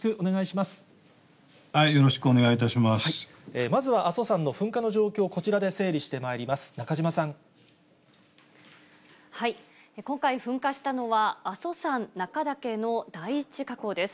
まずは阿蘇山の噴火の状況、こちらで整理してまいります。